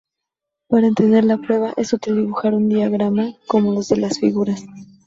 Para entender la prueba, es útil dibujar un diagrama como los de las figuras.